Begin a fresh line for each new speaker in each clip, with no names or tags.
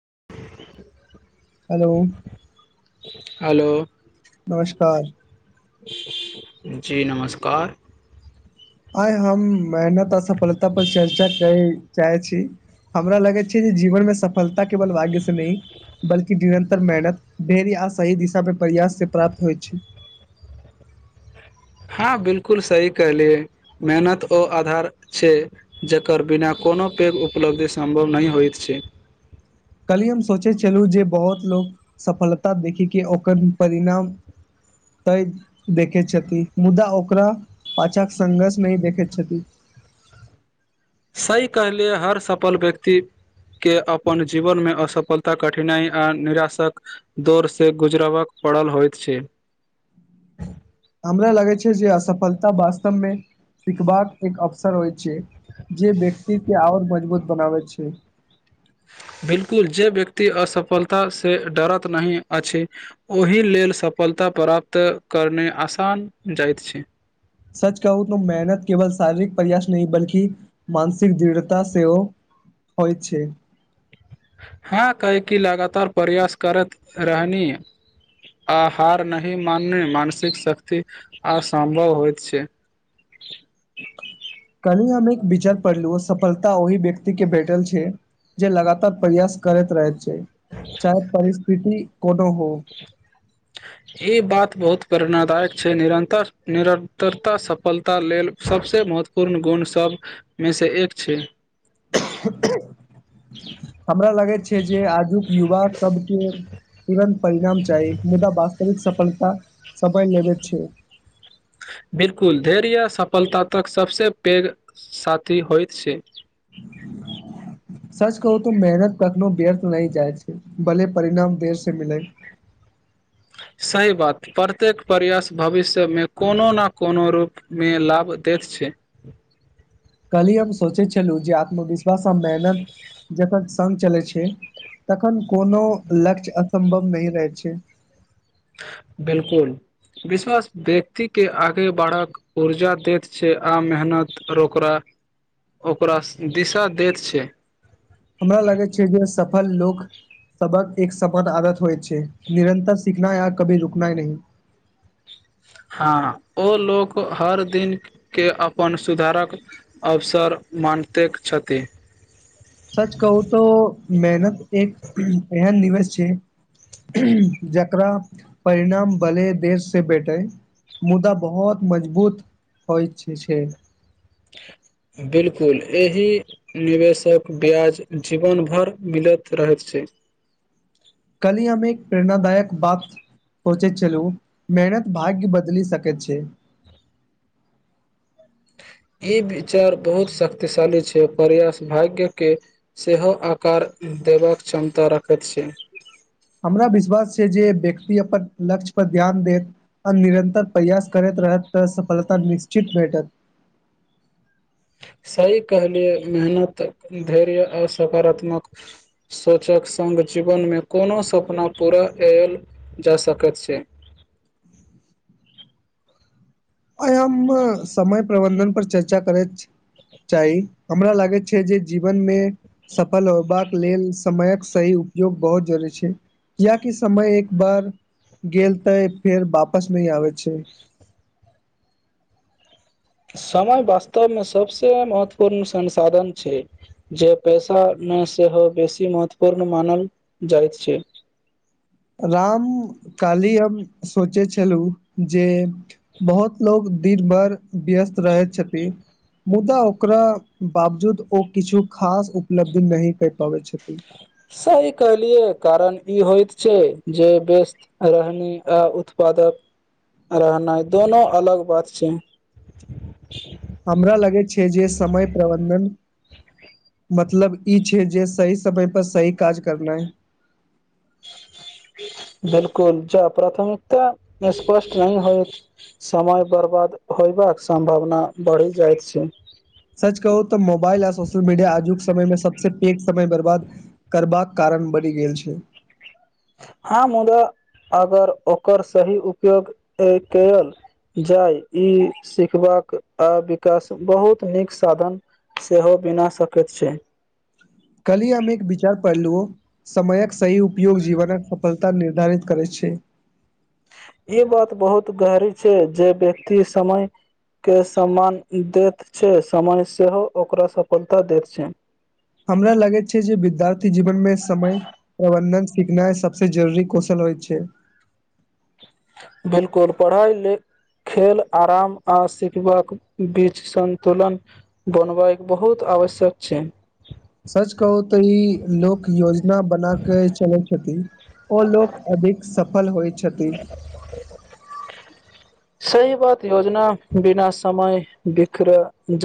[unintelligible]
Hello
hello.
नमस्कार।
जी नमस्कार।
आइ हम। मेहनत आ सफलता पर चर्चा करै। चाहै छी हमरा लगैत छै जे जीवनमे सफलता। त केवल भाग्यसँ नहि। बल्कि निरन्तर मेहनत ढेरी आ सही दिशामे प्रयाससँ प्राप्त होइत छै।
हँ बिलकुल सही कहलियै मेहनत ओ आधार छै जकर बिना कोनो पैघ उपलब्धि सम्भव नहि होइत छै।
कली हम सोचै छलहु जे बहुत लोको सफलता देखिक के ओकर परिणाम तय देखैत छथि मुदा ओकरा पाछाँ संघर्ष नहि देखैत छथि।
सह कहलिय हर सफल व्यक्तिके अपन जीवनमे असफलता कठिनाइ आ निराशाक दौरसँ गुजरब पड़ल होइत छै।
हमरा लगै छै जे असफलता वास्तव मे सिखबाक एक अवसर होइ छै। जे व्यक्त के आओर मजबूत। बनाबै छी।
बिलकुल जे व्यक्ति असफलतासँ डरैत नहि अछि ओहि लेल सफलता प्राप्त करने आसान जाइत छै।
सच कहू त मेहनत केवल शारीरिक प्रयास नहिह बल्कि मानसिक दृढ़ता सेहोव होइत छै।
हँ कैकी लगातार प्रयास करैत रहनी आ हार नहिही मानने मानसिक शक्ति असम्भव होइत छै।
कनि हम एक विचार पढ़लू सफलता ओहि व्यक्ति के भेटल छै जे लगातार प्रयास करैत रहैत छै। चाहे परिस्थिति। कोनो हो।
ई बात बहुत प्रेरणादायक छै निरन्तर निरन्तरता सफलता लेल सबसे महत्वपूर्ण गुण सभमेसँ एक छै।
[unintelligible] करा। जे आजुक युवा सबके तुरन्त परिणाम चाही मुदा वास्तविक सफलता। सब लेबे छै।
बिलकुल धैर्य या सफलता तक सभस पैघ साथी होइत छै।
सच कहू तऽ मेहनत कखनो व्यर्थ नहिह जाइ छै भल परिणाम देर से मिलै।
सही बात प्रत्येक प्रयास भविष्यमे कोनो ने कोनो रूपमे लाभ दैत छै।
कली हम सोचे छलू जे आत्मविशास। थड़ा सा मेहनत जतन सघ चलै छै। तखन। कोनो लक्ष्य असम्भव। नी रहै छै।
बिलकुल विश्वास व्यक्ति के आगे बढ़ाक ऊर्जा दैत छै आ मेहनतर ओकरा ओकरा दिशा दैत छै।
हमरा लागे छै जे सफल लोक। सबक एक समान आदत होइत छै निरन्तर सीखना आ कभी रुकनाय नह।
हँ ओ लोक हर दिनके अपन सुधारक अवसर मानिते छथि।
सच कहू त मेहनत। एक बयन निवास। जकरा परिणाम भले देश से भेटे मुदा बहुत मजबूत होइ छै।
बिल्कुल एहि निवेशक ब्याज जीवन भरि मिलैत रहैत छै।
कली हममे एक प्रेरणादायक बात सोचे छललू मेहनत भाग्य बदलि सक छै।
ई विचार बहुत शक्तिशाली छै प्रयास भाग्यके सेहो आकार देबाक क्षमता रखैत छै।
हमरा विश्वास छै जे व्यक्ति अपन लक्ष्य परर ध्यान देत आ निरन्तर प्रयास करैत रहत तऽ सफलता निश्चित भेटत।
ता कहलियए मेहनत धैर्य आ सकारात्मक सोचक सङ्ग जीवनमे कोनो सपना पूरा कयल जा सकैत छै।
आइ हम समय प्रबन्धनपर चर्चा करैत चाही हमरा लागैत छै जे जीवनमे सफल होयबाक लेल समयक सही उपयोग बहुत जरूी छै किियकि समय एक बार गेल तऽ फेर वापस नहि आबै छै।
समय वास्तवमे सभसँ महत्वपूर्ण संसाधन छै जे पैेशामे सेहो बेसी महत्वपूर्ण मानल जाइत छै।
राम काली हम सोचे छलहु जे बहुत लोको दिन भर व्यस्त रहैत छथिन मुदा ओकरा बावजूद ओ किछु खास उपलब्धि नहि कहि पाबै छथिन।
सही कहलियए कारण ई होइत छै जे व्यस्त रहनी आ उत्पादक रहनाइ दुनो अलग बात छै।
हमरा लगे छै जे समय प्रबन्धन। मतलब ई छै जे सही समय पर सही काज करनाइ।
बिलकुल जा प्राथमिकता स्पष्ट नहि होइत समय बर्बाद होयबाक सम्भावना बढ़ि जाइत छै।
सच कहू तऽ मोबाइल आ सोशल मीडिया आजुक समयमे सभसँ पैघ समय बर्बाद करबाक कारण बनिि गेल छै।
हँ मुदा अगर ओकर सही उपयोग कयल जाय ई सिखबाक आ विकास बहुत नीक साधन सेहो बिना सकैत छै।
कली हम एक विचार पहिलु समयक सही उपयोग जीवन सफलता निर्धारित करै छै।
ई बात बहुत गहरी छै जे व्यक्ति समय के सम्मान दैत छै समय सेहो ओकरा सफलता दैत छै।
हमरा लगैत छै जे विद्यार्थी जीवन मे समय प्रबन्धन सीखनाइ सभसँ जरूरी कौशल होइत छै।
बिलकुल पढ़ाइ लेल खेल आराम आ सिखबाक बीच सन्तुलन बनबाक बहुत आवश्यक छै।
सच कहू त ई लोक योजना। बना क चलैत ओ लोक अधिक।।। फल होइ। छथि त।
सही बात योजना बिना समय बिखर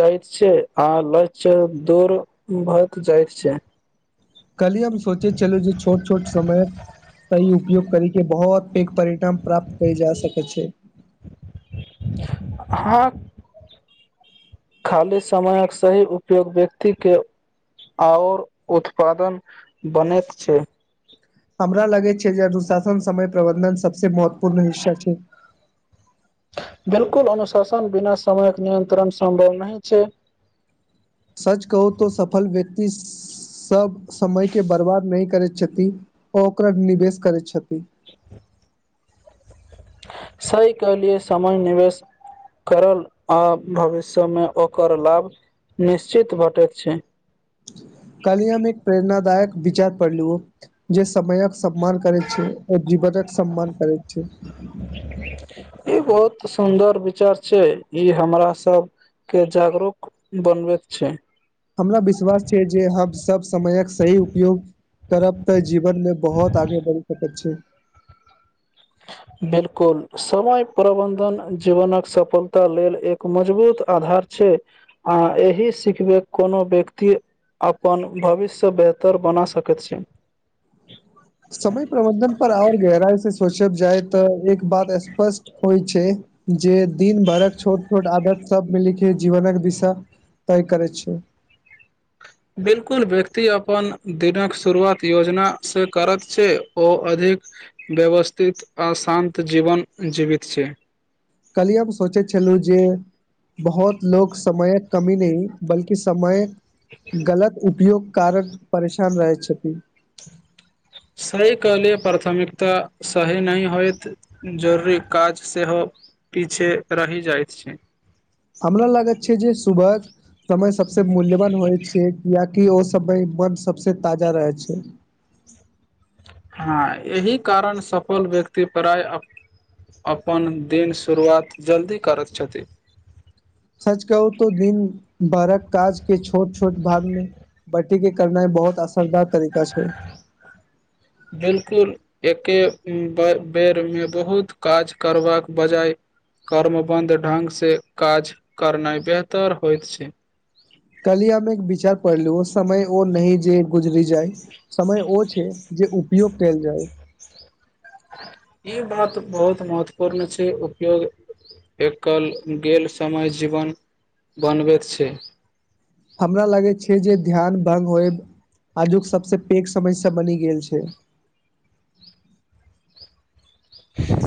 जाइत छै आ ल्ष्य दूर भ जाइत छै।
कल हमम सोचे चलू जे छोट छोट समय सहिी उपयोग कर के बहुत पैघ परिणाम प्राप्त क जा सक छै।
अहाँ खाली समयक सही उपयोग व्यक्तिके आओर उत्पादन बनैत छै।
हमरा लगै छै जे अनुशासन समय प्रबन्धन सबसे महत्वपूर्ण हिस्सा छै।
बिल्कुल अनुशासन बिना समयक नियन्त्रण सम्भव नहि छै।
सच कहू तो सफल व्यक्त सबब समय के बर्बाद नहि करै छथि ओ ओकरा निवेश करैत छथि।
सहके लिए समय निवेश करल आ भविष्यमे ओकर लाभ निश्चित भेटैत छै।
कलियम एक प्रेरणाादायक विचार पढ़ लु जे समय पर सम्मान करै छै आओ जीवनक सम्मान करै छै।
ई बहुत सुन्दर विचार छै ई हमरा सबके जागरूक बनबेके छै।
हमरा विश्वास छै जे हम सभ समयक सही उपयोग करब तऽ जीवनमे बहुत आगे बढ़ि सकैत छै।
बिलकुल समय प्रबन्धन जीवनक सफलता लेल एक मजबूत आधार छै आ एहि सिखबै कोनो व्यक्ति अपन भविष्य बेहतर बना सकैत छै।
समय प्रबंधन पर आओर गहरा सोचब जाय तऽ एक बात स्पष्ट होइ छै जे दिन भरक छोट छोट आदत सब मिली के जीवनक दिशा तय करै छै।
बिलकुल व्यक्ति अपन दिनक शुरुआत योजनासँ। करैत छै ओ अधिक व्यवस्थित आ शान्त जीवन जीवित छै
कली हम सोचैत छलहुँ जे बहुत लोको समयक कमी नहि बल्कि समयक। गलत उपयोग कारक परेशान रहै छथि। [unintelligible]
सहीके लिए प्राथमिकता सही नहि होइत जरूरी काज सेहो पीछे -रहि जाइत छै।
हमरा लागैत छै जे सुबह समय सबसे मूल्यवान होइ छै किियकि ओ समय मन सबस ताजा रहै छै। [unintelligible]
हँ एहि कारण सफल व्यक्ति प्राय -अपन दिन शुरुआत जल्दी करैत छथि। [unintelligible]
सच कहू तो दिन बरक काजके छोट छोट भागमे बटीे करनाइ बहुत। बहुत असरदार तरीका छै।
बिलकुल
[unintelligible]
एके -बेरमे बहुत काज करबाक बजाय कर्मबध ढङ्गसँ काज करनाइ बेहतर होइत छै। [unintelligible]
कलिय हममे एक विचार पढ़लु समय ओ नह जे गुजरि जाइ। [unintelligible] समय ओ छै जे। [unintelligible] उपयोग कयल जाय। [unintelligible]
[unintelligible] ई बात बहुत महत्वपूर्ण छै उपयोग एकल गेल समय- जीवन बनबैत छै।
हमरा लागै छै जे ध्यान भंगग होय आजुक सबस पैघ समझसँ बनि गेल छै। [unintelligible]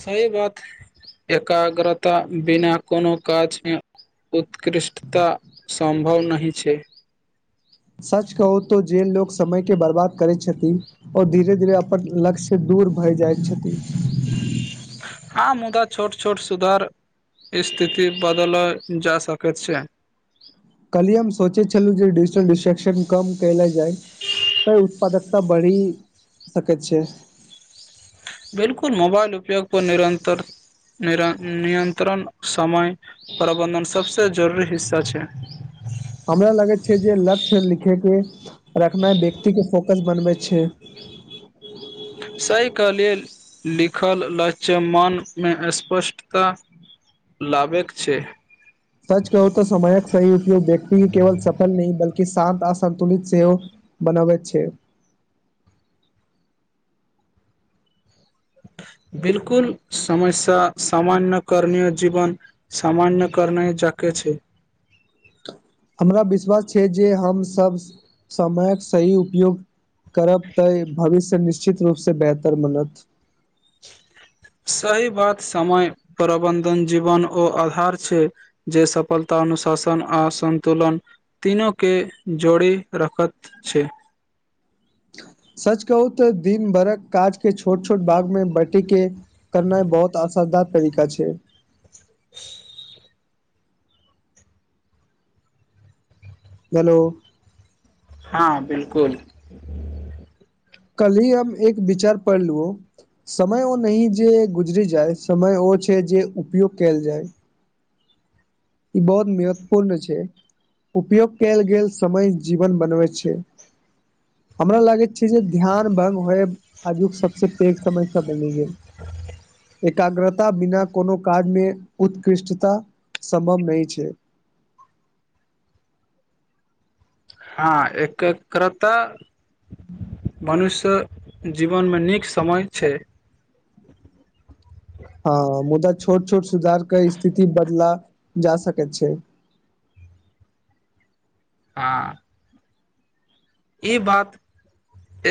सह बात एकाग्रता बिना कोनो काजमे उत्कृष्टता सं्भव नहिह छै। [unintelligible]
सच कहू तो जेल लोकोग समय के बर्बाद करैत छथिन आओर धीरे धीरे अपन लक्ष्य दूर। भय जाइत छथिन।
हँ मुदा
[unintelligible]
छोट छोट सुधार स्थिति बदलल जा सकैत छै। [unintelligible]
कली हम सोचे छललू जे िजिटल डिस्ट्र्शन कम क। [unintelligible] तऽ उत्पादक। [unintelligible] त बढ़ि सक छै। [unintelligible]
बिल्कुल मोबाइल उपयोग पर -नियन्त्रण समय प्रबन्धन सभसँ जरूरी हिस्सा छै।
हमरा लगैत छै जे लक्ष्य लिखेके रखनाइ व्यक्ति के फोकस बनबै छै। [unintelligible]
सयके लेल लिखल ल्षमानमे स्पष्टता [unintelligible] लाबै छै।
सच कहू तऽ समयक सही उपयोग व्यकि के केवल सफल नहि बल्कि। कि शानत असन्तुलित सेव बनावैत छै। [unintelligible]
बिलकुल समस्य सामन्य करणय जीवन सामन्य करण झाके छै। [unintelligible]
हमरा विश्वास छै जे हम सभ समयक सही उपयोग। [unintelligible] करब तऽ भविष्य। [unintelligible] निश्चित रूप से बेहतर मनत। [unintelligible]
सही बात समय प्रबन्धन जीवन ओ आधार छै जे सफलता अनुशासन आ सन्तुलन तीनूेँ जोड़ि रखैत छै। [unintelligible]
सच कहू तऽ दिन भरक काज के छोट छोट भाग में बैटी के। [unintelligible] करना बहुत आसदा। [unintelligible] तरिका छै। [unintelligible] हेलो। [unintelligible]
हँ बिलकुल। [unintelligible]
कली हमम एक विचार पढ़ लु समय ओ नह जे गुजरी जाइ समय ओ छै जे उपयोग कल जाइ [unintelligible] ई बहुत महत्वपूर्ण छै उपयोग कयल गेल समय जीवन बनबैत छै हमरा लागैत छै जे ध्यान भ्ंग होए आजुक सबस पैघ समस्य बनि गेल एकाग्रता बिना कोनो काज मे उत्कृष्टता। [unintelligible] समभम नहिह छै। [unintelligible]
हँ एकक्रता। [unintelligible] मनुष्य। जीवनमे नीक समय छै।
हँ मुदा। छोट छोट सुधार के स्थिति बदला जा सकैत छै।
हँ। [unintelligible] ई बात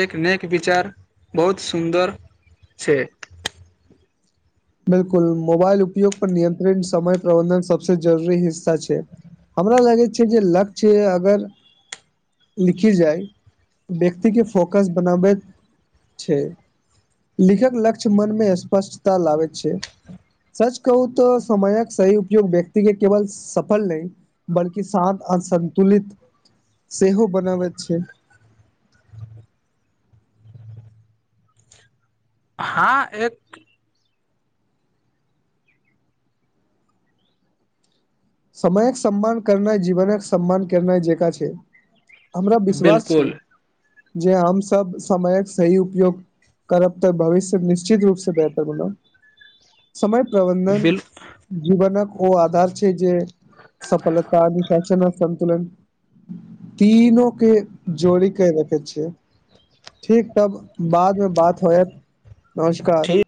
एक नेक विचार बहुत सुन्दर छै। [unintelligible]
बिलकुल मोबाइल उपयोग पर नियंत्रित समय प्रबंधन सबस जरूरी हिस्सा छै हमरा लगै छै जे लक्ष्य अगर लिखी जाय व्यक्ति के फोकस बनाबैत छै। [unintelligible] लिखक लक्ष्य मन मे स्पष्टता लाबैत छै सच कहू तऽ समयक सही उपयोग व्यक्ति के केवल सफल नहि बल्कि शान्त अ संन्तुलित सेहो बनाबैत छै। [unintelligible]
हँ एक।
समयक सम्मान करनाय जीवनक सम्मान करनाय जेका छै। हमरा विश्वास छै।
बिलकुल
जे हमसभ समयक सही उपयोग करब तऽ भविष्य निश्चित रूपसँ बेहतर बना। समय प्रबन्धन
बिल
जीवनक। ओ आधार छै। जे। सफलता अनुशासन। संतुलन तीनो के। जोड़ी क र। छ ठीक तब बादमे बात होयत नमस्कार।
ठीक